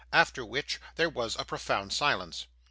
After which, there was a profound silence.